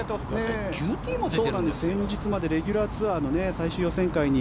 先日までレギュラーツアーの最終予選会に。